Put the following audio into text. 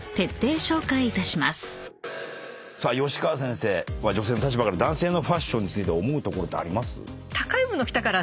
さあ吉川先生は女性の立場から男性のファッションについて思うところってあります？